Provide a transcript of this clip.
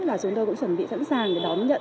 là chúng tôi cũng chuẩn bị sẵn sàng để đón nhận